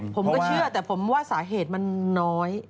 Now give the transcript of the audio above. ผมก็เชื่อแต่ผมว่าสาเหตุมันน้อย